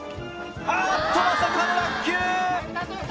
あっとまさかの落球！